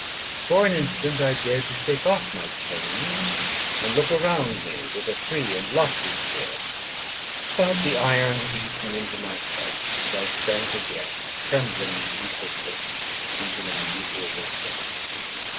For an instant I dared to shake off my chains, and look around me with a free and lofty spirit; but the iron had eaten into my flesh, and I sank again, trembling and hopeless, into my miserable self.